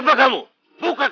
jangan menjelaskan diri